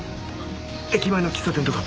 駅前の喫茶店とか。